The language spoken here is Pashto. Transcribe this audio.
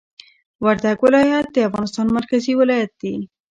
وردګ ولایت د افغانستان مرکزي ولایت دي